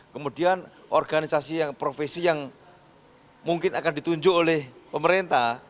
kemudian organisasi yang profesi yang mungkin akan ditunjuk oleh pemerintah